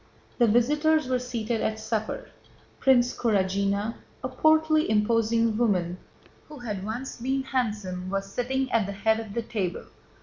The visitors were seated at supper. Princess Kurágina, a portly imposing woman who had once been handsome, was sitting at the head of the table.